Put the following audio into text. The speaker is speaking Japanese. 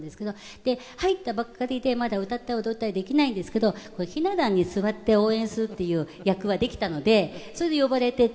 で入ったばっかりでまだ歌ったり踊ったりできないんですけどひな壇に座って応援するっていう役はできたのでそれで呼ばれていて。